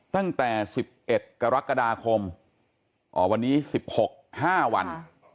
ตั้งแต่สิบเอ็ดกรกฎาคมอ๋อวันนี้สิบหกห้าวัน